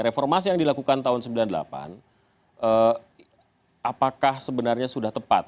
reformasi yang dilakukan tahun seribu sembilan ratus sembilan puluh delapan apakah sebenarnya sudah tepat